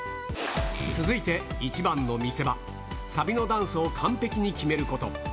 続いて一番の見せ場、サビのダンスを完璧に決めること。